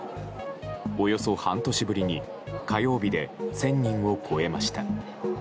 およそ半年ぶりに火曜日で１０００人を超えました。